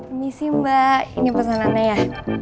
ini sih mbak ini pesanannya ya